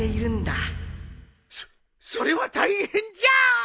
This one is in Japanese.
そそれは大変じゃ！